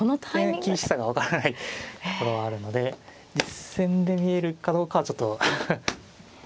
一見厳しさが分からないところはあるので実戦で見えるかどうかはちょっと。